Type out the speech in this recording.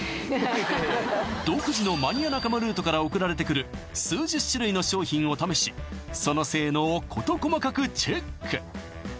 独自のマニア仲間ルートから送られてくる数十種類の商品を試しその性能を事細かくチェック